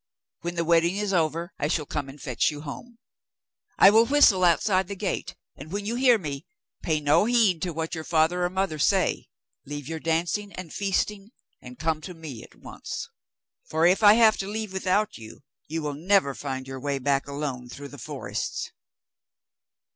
When the wedding is over, I shall come and fetch you home. I will whistle outside the gate, and when you hear me, pay no heed to what your father or mother say, leave your dancing and feasting, and come to me at once; for if I have to leave without you, you will never find your way back alone through the forests.